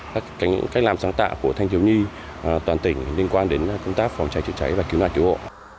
các cách làm sáng tạo của thanh thiếu nhi toàn tỉnh liên quan đến công tác phòng cháy chữa cháy và cứu nạn cứu hộ